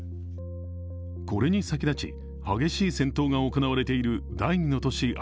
これに先立ち、激しい戦闘が行われている第２の都市